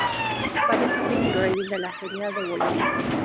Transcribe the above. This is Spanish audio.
Varios "White Raven" de la feria de Bolonia.